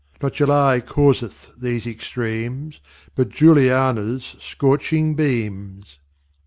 Not July causeth these Extremes, But Juliana's scorching beams.